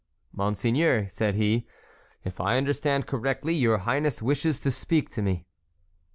"Monseigneur," said he, "if I understand correctly, your highness wishes to speak to me."